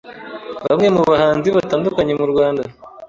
Bamwe mubahanzi batandukanye mu Rwanda